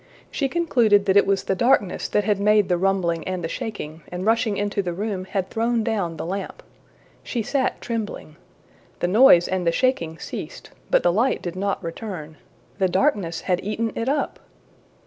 She concluded that it was the darkness that had made the rumbling and the shaking, and rushing into the room, had thrown down the lamp. She sat trembling. The noise and the shaking ceased, but the light did not return. The darkness had eaten it up!